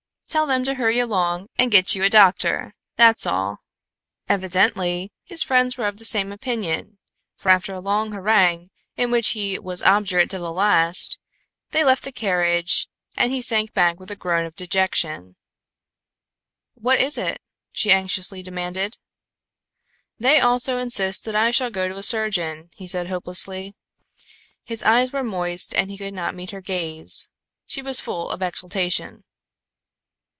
"Tell them to hurry along and get you a doctor; that's all." Evidently his friends were of the same opinion, for after a long harangue in which he was obdurate to the last, they left the carriage and he sank back with a groan of dejection. "What is it?" she anxiously demanded. "They also insist that I shall go to a surgeon," he said hopelessly. His eyes were moist and he could not meet her gaze. She was full of exultation.